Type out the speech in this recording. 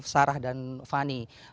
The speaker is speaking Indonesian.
sarah dan fani